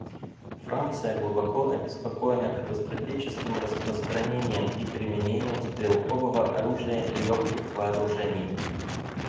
Франция глубоко обеспокоена катастрофическим распространением и применением стрелкового оружия и легких вооружений.